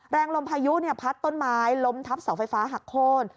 แรงลมพายุพัดต้นไม้ล้มทับเสาไฟฟ้าหักโค้น